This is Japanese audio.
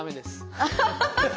ハハハハ！